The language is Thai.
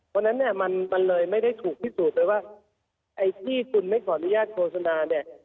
เพราะฉะนั้นมันเลยไม่ได้ถูกพิสูจน์จนว่าไอ้ที่คุณไม่ขออนุญาตโฆสณา